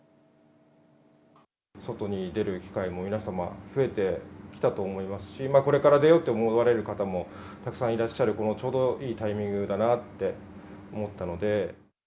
外に出る機会も、皆様増えてきたと思いますし、これから出ようと思われる方もたくさんいらっしゃるこのちょうどいいタイミングだなって思ったので。